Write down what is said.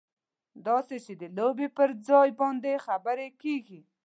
داسې چې د لوبې پر ځای باندې خبرې کېږي.